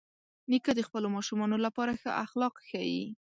نیکه د خپلو ماشومانو لپاره ښه اخلاق ښيي.